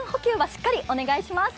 しっかりお願いします。